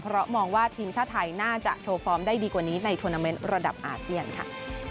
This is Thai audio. เพราะมองว่าทีมชาติไทยน่าจะโชว์ฟอร์มได้ดีกว่านี้ในทวนาเมนต์ระดับอาเซียนค่ะ